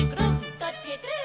「どっちへくるん」